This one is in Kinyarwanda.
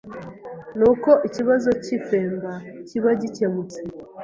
ni uko ikibazo cy’ifemba kiba gikemutse